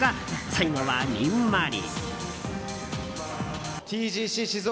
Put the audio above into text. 最後は、にんまり。